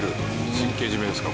神経締めですか？